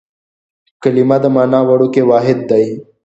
کلیمه د مانا وړوکی واحد دئ.